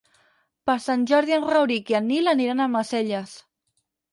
Per Sant Jordi en Rauric i en Nil aniran a Almacelles.